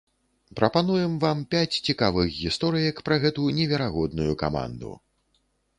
Прапануем вам пяць цікавых гісторыек пра гэту неверагодную каманду.